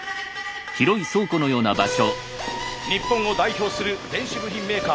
日本を代表する電子部品メーカー。